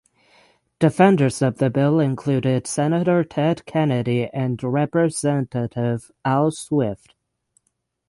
Defenders of the bill included senator Ted Kennedy and representative Al Swift.